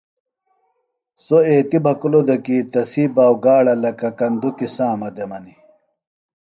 سوۡ ایتیۡ بھکُلوۡ دےۡ کیۡ تسی باؤگاڑہ لکہ کندُکیۡ سامہ دےۡ منیۡ